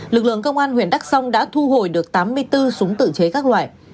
lực lượng công an huyện đắc sông đã thu hồi được tám mươi bốn súng tự chế các loại